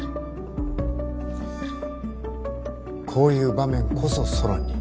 こういう場面こそソロンに。